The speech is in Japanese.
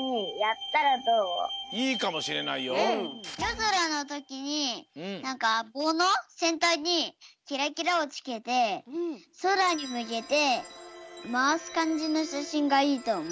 ぞらのときになんかぼうのせんたんにキラキラをつけてそらにむけてまわすかんじのしゃしんがいいとおもう。